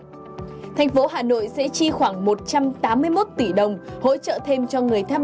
hội đồng nhân dân thành phố hà nội sẽ được hỗ trợ thêm tiền đóng bảo hiểm xã hội tự nguyện